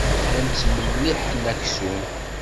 Llan ttmelliḥen aksum.